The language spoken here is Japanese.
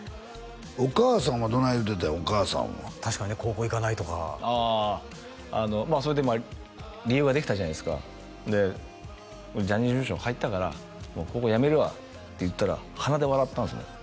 お母さんはどない言うてたんやお母さんは確かにね高校行かないとかああそれで理由はできたじゃないですかでジャニーズ事務所に入ったからもう高校辞めるわって言ったら鼻で笑ったんですね